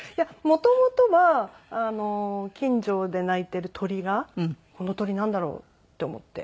元々は近所で鳴いている鳥がこの鳥なんだろう？って思って。